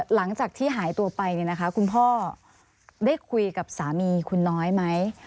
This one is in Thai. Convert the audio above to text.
หลังจากที่หายตัวไปเนี่ยนะคะคุณพ่อได้คุยกับสามีคุณน้อยไหม